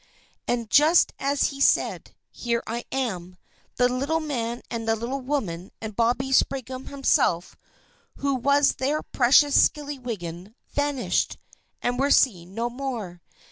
And just as he said, "Here I am," the little man and the little woman, and Bobby Spriggan himself, who was their precious Skillywidden, vanished, and were seen no more.